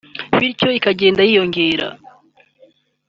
bityo ikagenda yiyongera